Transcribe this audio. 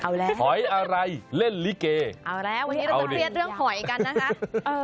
อันนี้เราจะเครียดเรื่องหอยกันนะคะ